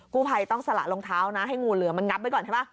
ผู้ภัยต้องสละรองเท้านะให้งูเหลือมันงับไว้ก่อนใช่ไหม